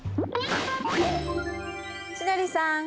千鳥さん